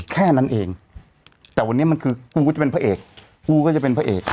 แค่นั้นเองแต่วันนี้มันคือกูก็จะเป็นพระเอกกูก็จะเป็นพระเอก